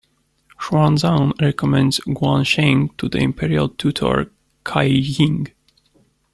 Xuan Zan recommends Guan Sheng to the Imperial Tutor, Cai Jing.